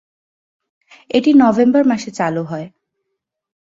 এটি নভেম্বর মাসে চালু হয়।